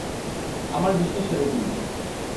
আমার বিশ্বাস এরকমই।